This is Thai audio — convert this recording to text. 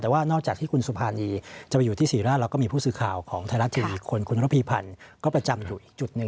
แต่ว่านอกจากที่คุณสุภารีจะไปอยู่ที่ศรีราชเราก็มีผู้สื่อข่าวของไทยรัฐทีวีคนคุณระพีพันธ์ก็ประจำอยู่อีกจุดหนึ่ง